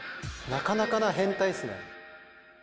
なかなかな変態っすね。